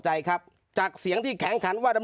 เจ้าหน้าที่แรงงานของไต้หวันบอก